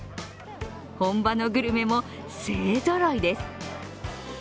本場のグルメも勢ぞろいです。